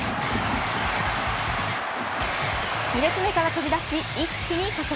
２列目から飛び出し一気に加速。